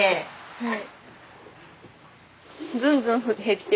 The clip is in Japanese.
はい。